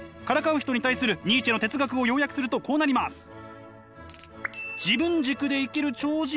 からかう人に対するニーチェの哲学を要約するとこうなります。